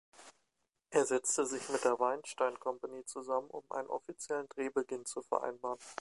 Er setzte sich mit der Weinstein Company zusammen, um einen offiziellen Drehbeginn zu vereinbaren.